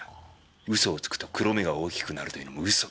嘘をつくと黒目が大きくなるというのも嘘だ。